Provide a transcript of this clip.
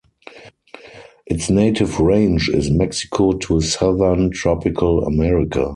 Its native range is Mexico to southern Tropical America.